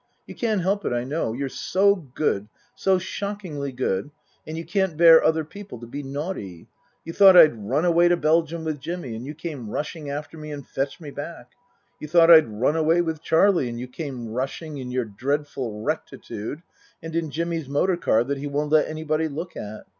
You can't help it, I know. You're so good, so shockingly good, and you can't bear other people to be naughty. You thought I'd run away to Belgium with Jimmy and you came rushing after me and fetched me back. You thought I'd run away with Charlie and you came rushing in your dreadful rectitude, and in Jimmy's motor car that he won't let anybody look at.